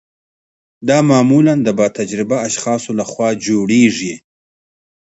دا معمولا د با تجربه اشخاصو لخوا جوړیږي.